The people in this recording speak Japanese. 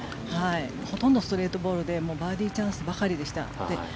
ほとんどストレートボールでバーディーチャンスばかりでした。